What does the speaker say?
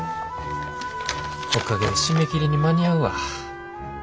おかげで締め切りに間に合うわ。